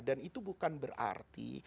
dan itu bukan berarti